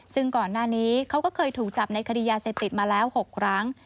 ซึ่งก่อนหน้านี้เขาก็เคยถูกจับในคดียาเสพติดมาแล้ว๖ครั้ง